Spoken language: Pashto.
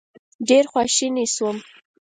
ډېر خواشینی شوم.